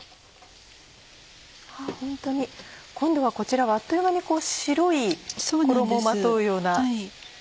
ホントに今度はこちらはあっという間に白い衣をまとうような。